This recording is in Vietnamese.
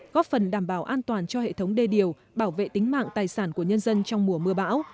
góp phần đảm bảo an toàn cho hệ thống đê điều bảo vệ tính mạng tài sản của nhân dân trong mùa mưa bão